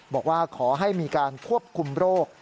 บอกว่าขอให้มีการควบคุมโรค